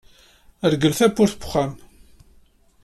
Rgel tabburt n uxxam.